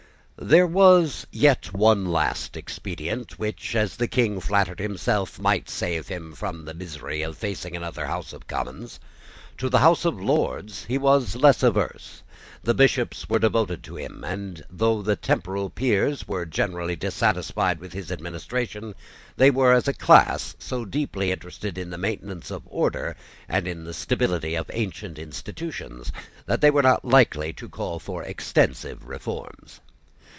There was yet one last expedient which, as the King flattered himself, might save him from the misery of facing another House of Commons. To the House of Lords he was less averse. The Bishops were devoted to him; and though the temporal peers were generally dissatisfied with his administration, they were, as a class, so deeply interested in the maintenance of order, and in the stability of ancient institutions, that they were not likely to call for extensive reforms.